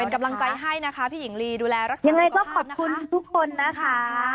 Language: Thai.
เป็นกำลังใจให้นะคะพี่หญิงลีดูแลรักษายังไงก็ขอบคุณทุกคนนะคะ